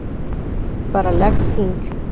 Parallax Inc.